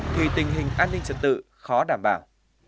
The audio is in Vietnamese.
thì tình hình an ninh trật tự khó đảm bảo